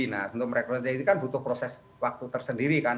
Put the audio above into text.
nah untuk merekrutnya ini kan butuh proses waktu tersendiri kan